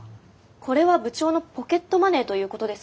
これは部長のポケットマネーということですか？